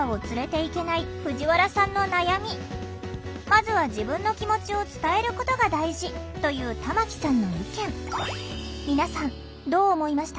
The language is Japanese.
「まずは自分の気持ちを伝えることが大事」という玉木さんの意見。